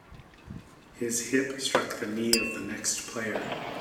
His hip struck the knee of the next player.